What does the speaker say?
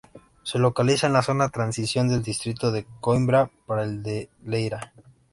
Se localiza en la zona transición del distrito de Coimbra para el de Leiria.